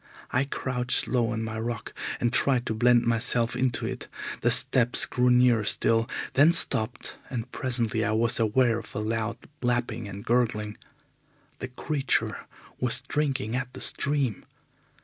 I crouched low on my rock and tried to blend myself into it. The steps grew nearer still, then stopped, and presently I was aware of a loud lapping and gurgling. The creature was drinking at the stream.